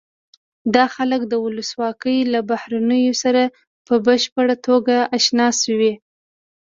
دا خلک د ولسواکۍ له بهیرونو سره په بشپړه توګه اشنا شوي.